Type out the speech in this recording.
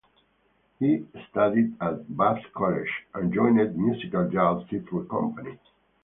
He studied at Bath College and joined Musical Youth Theatre Company.